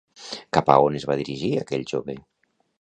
Cap a on es va dirigir aquell jove?